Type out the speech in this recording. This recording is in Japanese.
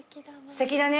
すてきだね。